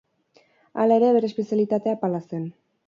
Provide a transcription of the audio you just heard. Hala ere, bere espezialitatea pala zen.